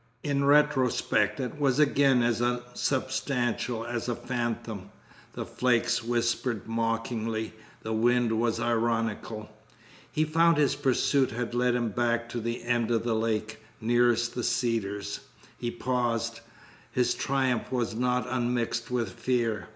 In retrospect it was again as unsubstantial as a phantom. The flakes whispered mockingly. The wind was ironical. He found his pursuit had led him back to the end of the lake nearest the Cedars. He paused. His triumph was not unmixed with fear.